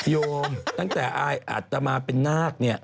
โยมตั้งแต่อายญ์อัตธรรมาเป็นนาก